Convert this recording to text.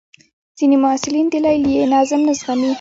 ځینې محصلین د لیلیې نظم نه زغمي.